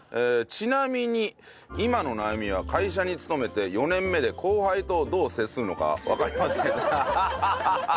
ちなみに今の悩みは会社に勤めて４年目で後輩とどう接するのかわかりません。